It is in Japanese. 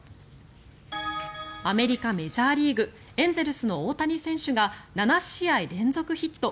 アメリカ・メジャーリーグエンゼルスの大谷選手が７試合連続ヒット。